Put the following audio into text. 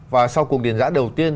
và sau cuộc điền giã đầu tiên